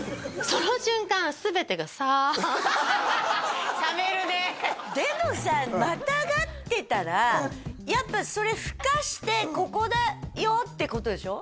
その瞬間全てがサーッ冷めるねでもさまたがってたらやっぱそれふかしてここだよ！ってことでしょ？